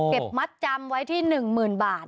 เก็บมัดจำไว้ที่๑๐๐๐๐บาท